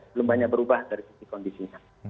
belum banyak berubah dari sisi kondisinya